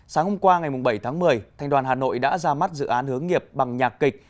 sáng hôm qua ngày bảy tháng một mươi thành đoàn hà nội đã ra mắt dự án hướng nghiệp bằng nhạc kịch